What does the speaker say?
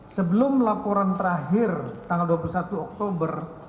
sebelum laporan terakhir tanggal dua puluh satu oktober